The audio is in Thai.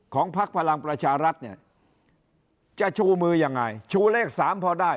พักพลังประชารัฐเนี่ยจะชูมือยังไงชูเลข๓พอได้